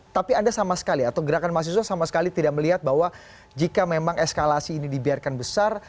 tapi anda sama sekali atau gerakan mahasiswa sama sekali tidak melihat bahwa jika memang eskalasi ini dibiarkan besar